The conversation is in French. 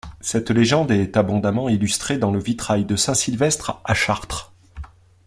Cette légende est abondamment illustrée dans le vitrail de saint Sylvestre à Chartres.